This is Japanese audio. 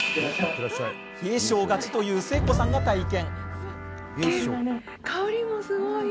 冷え性がちという誠子さんが体験。